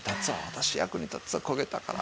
私役に立つわ焦げたから」